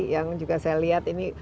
yang juga saya lihat ini